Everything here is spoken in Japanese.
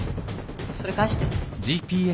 それ返して。